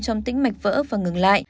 trong tĩnh mạch vỡ và ngừng lại